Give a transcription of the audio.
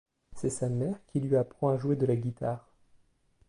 C'est sa mère qui lui apprend à jouer de la guitare.